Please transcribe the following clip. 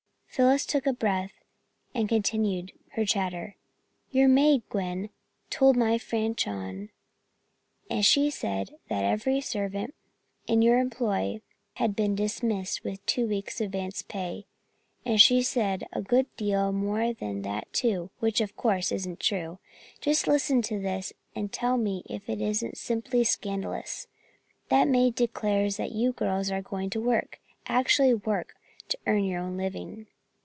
Phyllis took a breath and then continued her chatter: "Your maid, Gwen, told my Fanchon, and she said that every servant in your employ had been dismissed with two weeks' advance pay; and she said a good deal more than that too, which, of course, isn't true. Just listen to this and then tell me if it isn't simply scandalous. That maid declared that you girls are going to work, actually work, to earn your own living."